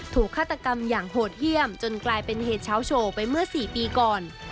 ฆาตกรรมอย่างโหดเยี่ยมจนกลายเป็นเหตุเช้าโชว์ไปเมื่อ๔ปีก่อน